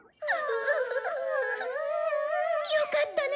よかったね。